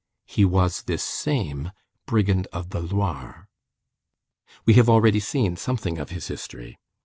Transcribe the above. He was this same "brigand of the Loire." We have already seen something of his history.